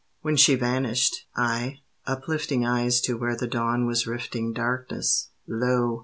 When she vanished, I uplifting Eyes to where the dawn was rifting Darkness, lo!